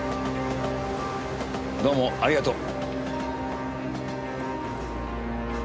どうもありがとう。